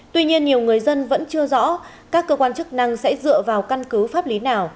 tuy nhiên nhiều người dân vẫn chưa rõ các cơ quan chức năng sẽ dựa vào căn cứ pháp lý nào